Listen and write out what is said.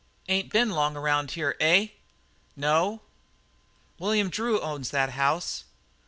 "Ain't been long around here, eh?" "No." "William Drew, he owns that house."